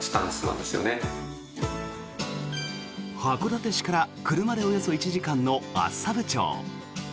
函館市から車でおよそ１時間の厚沢部町。